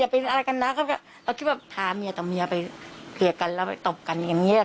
เป็นอะไรกันนะเราคิดว่าพาเมียต่อเมียไปเคลียร์กันแล้วไปตบกันอย่างนี้